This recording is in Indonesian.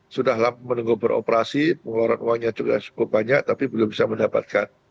sudah menunggu beroperasi pengeluaran uangnya juga cukup banyak tapi belum bisa mendapatkan